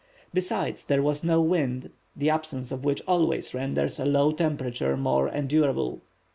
Besides, there was no wind, the absence of which always renders a low temperature more endurable.